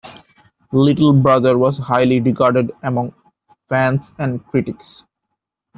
Little Brother was highly regarded among fans and critics.